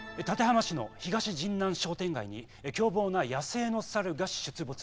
浜市の東神南商店街に凶暴な野生のサルが出没。